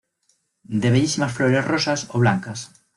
De bellísimas flores rosas o blancas.